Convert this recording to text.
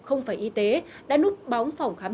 không phải y tế đã núp bóng phòng khám